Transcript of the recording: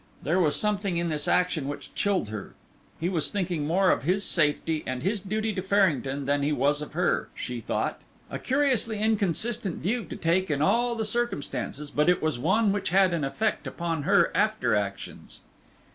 There was something in this action which chilled her; he was thinking more of his safety and his duty to Farrington than he was of her, she thought: a curiously inconsistent view to take in all the circumstances, but it was one which had an effect upon her after actions.